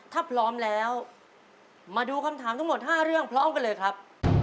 ถ้าพร้อมแล้วมาดูคำถามทั้งหมด๕เรื่องพร้อมกันเลยครับ